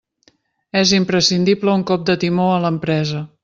És imprescindible un cop de timó a l'empresa.